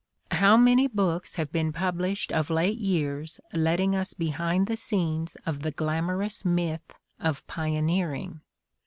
How many books have been published of late years letting us behind the scenes of the glamorous myth of pioneering!